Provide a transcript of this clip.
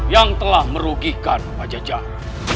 yang telah merugikan pajajara